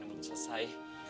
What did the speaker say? yang belum selesai